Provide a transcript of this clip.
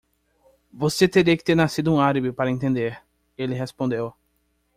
"Você teria que ter nascido um árabe para entender?" ele respondeu.